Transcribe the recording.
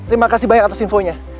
terima kasih banyak atas infonya